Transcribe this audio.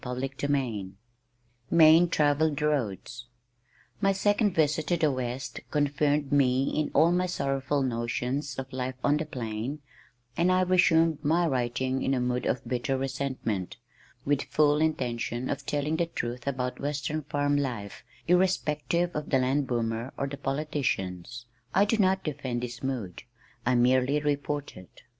CHAPTER XXXI Main Travelled Roads My second visit to the West confirmed me in all my sorrowful notions of life on the plain, and I resumed my writing in a mood of bitter resentment, with full intention of telling the truth about western farm life, irrespective of the land boomer or the politicians. I do not defend this mood, I merely report it.